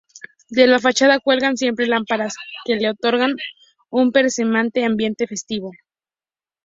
De la fachada cuelgan siempre lámparas que le otorgan un permanente ambiente festivo.